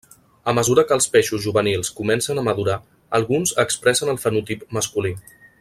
A mesura que els peixos juvenils comencen a madurar, alguns expressen el fenotip masculí.